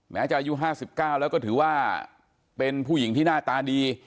แม้จะอายุ๕๙แล้วก็ถือว่าเป็นผู้หญิงที่หน้าตาดี